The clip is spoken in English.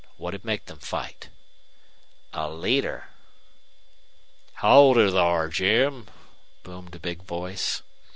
What'd make them fight?" "A leader!" "Howdy thar, Jim," boomed a big voice.